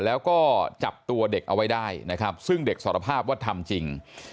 แล้วก็จับตัวเด็กเอาไว้ได้นะครับซึ่งเด็กสารภาพว่าทำจริง